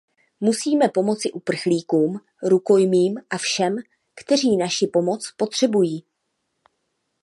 Musíme pomoci uprchlíkům, rukojmím a všem, kteří naši pomoc potřebují.